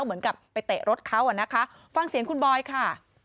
เหมือนกับไปเตะรถเขาอ่ะนะคะฟังเสียงคุณบอยค่ะ